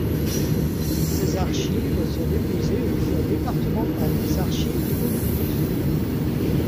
Ses archives sont déposées au fonds départemental des archives du Vaucluse.